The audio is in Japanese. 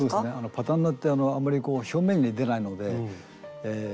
パタンナーってあんまり表面に出ないのでえ